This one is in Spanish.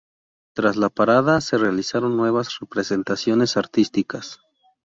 Tras la Parada, se realizaron nuevas representaciones artísticas.